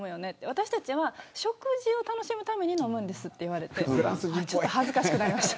私たちは食事を楽しむために飲むんですと言われてちょっと恥ずかしくなりました。